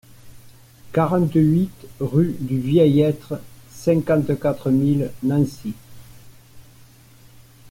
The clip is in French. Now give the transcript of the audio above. quarante-huit rue du Vieil Aître, cinquante-quatre mille Nancy